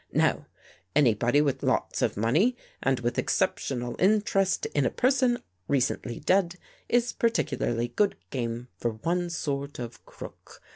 " Now, anybody with lots of money and with ex ceptional interest in a person recently dead, is par ticularly good game for one sort of crook.